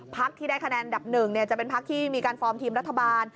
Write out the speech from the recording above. พักที่ได้คะแนนอันดับหนึ่งจะเป็นพักที่มีการฟอร์มทีมรัฐบาล